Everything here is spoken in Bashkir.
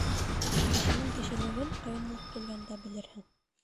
Кешенең кешелеген ҡыйынлыҡ килгәндә белерһең.